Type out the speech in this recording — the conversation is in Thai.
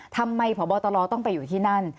พบตรต้องไปอยู่ที่นั่น